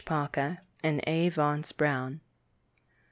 Parker and A. Vance Brown.